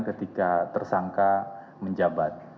ketika tersangka menjabat